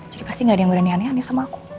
jadi pasti gak ada yang berani aneh aneh sama aku